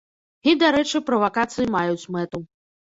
І, дарэчы, правакацыі маюць мэту.